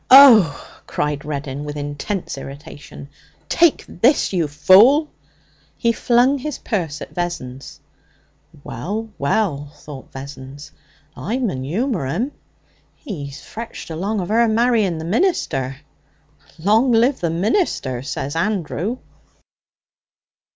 'Oh!' cried Reddin with intense irritation, 'take this, you fool!' He flung his purse at Vessons. 'Well, well,' thought Vessons, 'I mun yumour 'im. He's fretched along of her marrying the minister. "Long live the minister!" says Andrew.'